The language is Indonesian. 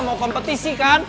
mau kompetisi kan